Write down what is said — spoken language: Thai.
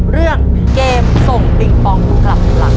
เรื่องเกมส่งปิงปองกลับหลัง